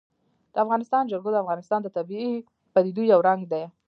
د افغانستان جلکو د افغانستان د طبیعي پدیدو یو رنګ دی.